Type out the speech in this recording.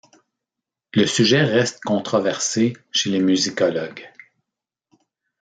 Le sujet reste controversé chez les musicologues.